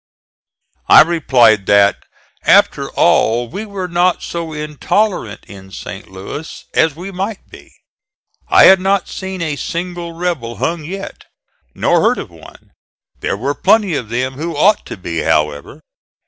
I replied that "after all we were not so intolerant in St. Louis as we might be; I had not seen a single rebel hung yet, nor heard of one; there were plenty of them who ought to be, however."